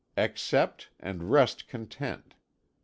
Accept, and rest content.